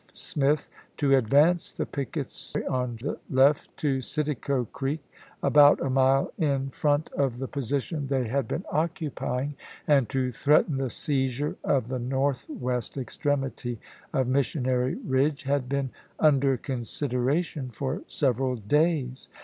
F. Smith to advance the pickets on the left to Citico Creek, about a mile in front of the position they j^^^^ had been occupying, and to threaten the seizure *"nov!^5!'°' of the northwest extremity of Missionary Ridge, xxxi.? ' had been under consideration for several days.